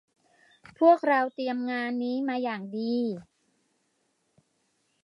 พวกเราเตรียมงานนี้มาอย่างดี